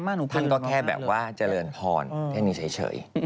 ท่านก็แค่แบบว่าเจริญพรแค่นี้เฉย